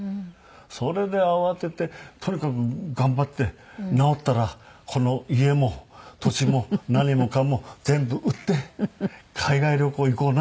それで慌ててとにかく頑張って治ったらこの家も土地も何もかも全部売って海外旅行行こうな。